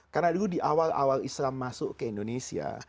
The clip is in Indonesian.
karena dulu di awal awal islam masuk ke indonesia